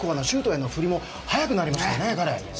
シュートへの振りも速くなりましたよね。